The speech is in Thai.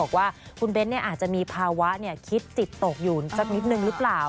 บอกว่าคุณเบ้นอาจจะมีภาวะคิดจิตตกอยู่สักนิดนึงหรือเปล่า